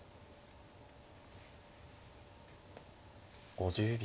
５０秒。